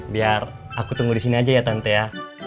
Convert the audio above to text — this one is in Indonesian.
biar aku tunggu disini aja ya tante ya